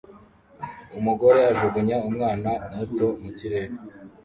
Umugore ajugunya umwana muto mu kirere